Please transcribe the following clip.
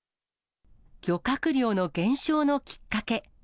漁獲量の減少のきっかけ。